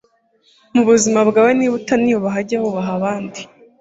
mu buzima bwawe niba utaniyubaha jya wubaha abandi